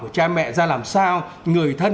của cha mẹ ra làm sao người thân